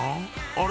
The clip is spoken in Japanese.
あれ？